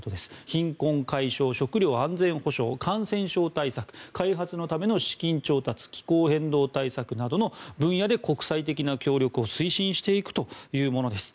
貧困解消、食糧安全保障感染症対策開発のための資金調達気候変動対策などの分野で国際的な協力を推進していくものです。